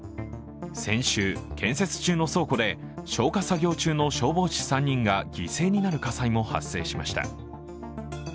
先週、建設中の倉庫で消火作業中の消防士３人が犠牲になる火災も発生しました。